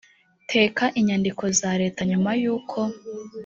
teka inyandiko za leta nyuma y uko